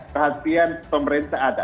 perhatian pemerintah ada